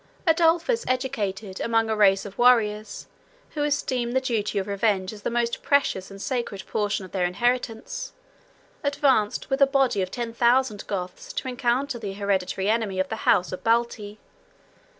Adolphus, educated among a race of warriors, who esteemed the duty of revenge as the most precious and sacred portion of their inheritance, advanced with a body of ten thousand Goths to encounter the hereditary enemy of the house of Balti.